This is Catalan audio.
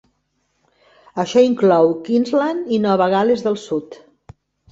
Això inclou Queensland i Nova Gal·les del Sud.